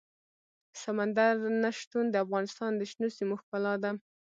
سمندر نه شتون د افغانستان د شنو سیمو ښکلا ده.